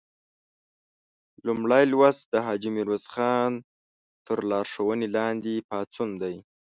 لومړی لوست د حاجي میرویس خان تر لارښوونې لاندې پاڅون دی.